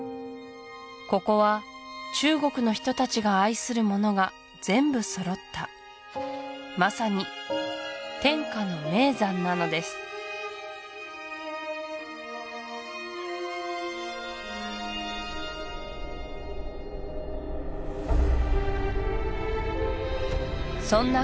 ここは中国の人たちが愛するものが全部揃ったまさに天下の名山なのですそんな